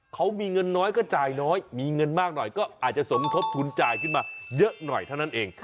เขามีเงินน้อยก็จ่ายน้อยมีเงินมากหน่อยก็อาจจะสมทบทุนจ่ายขึ้นมาเยอะหน่อยเท่านั้นเอง